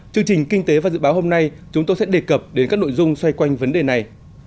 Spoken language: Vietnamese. chương trình kinh tế và dự báo hôm nay chúng tôi sẽ đề cập đến các nội dung xoay quanh vấn đề này